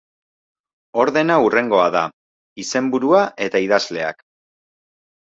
Ordena hurrengoa da: izenburua eta idazleak.